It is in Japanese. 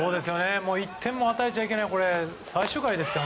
１点も与えちゃいけない最終回ですから。